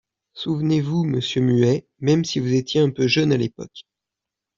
Souvenez-vous, monsieur Muet, même si vous étiez un peu jeune, à l’époque.